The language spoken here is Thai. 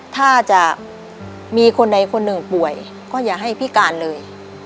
ถ้าจะมีคนใดคนหนึ่งป่วยก็อย่าให้พิการเลย